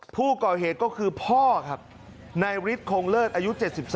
ผู้ก่อเหตุก็คือพ่อครับนายฤทธิคงเลิศอายุ๗๒